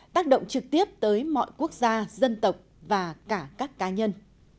tác động trực tiếp tới mọi quốc gia dân tộc và cả các cá nhân